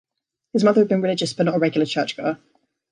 His mother had been religious but not a regular churchgoer.